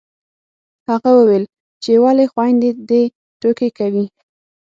هغه وويل چې ولې خویندې دې ټوکې کوي